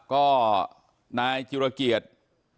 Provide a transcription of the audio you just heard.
ก็นายจิตรกรีชพูลสวัสดิ์